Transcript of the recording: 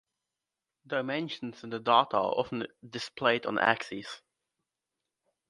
Dimensions in the data are often displayed on axes.